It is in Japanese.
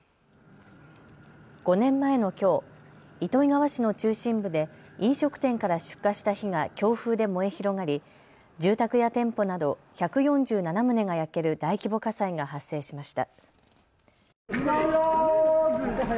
５年前のきょう、糸魚川市の中心部で飲食店から出火した火が強風で燃え広がり住宅や店舗など１４７棟が焼ける大規模火災が発生しました。